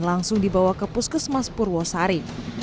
langsung dibawa ke puskes mas purwosari